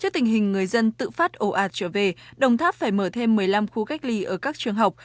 trước tình hình người dân tự phát ồ ạt trở về đồng tháp phải mở thêm một mươi năm khu cách ly ở các trường học